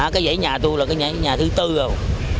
cái giảy nhà tôi là cái giảy nhà thứ tư rồi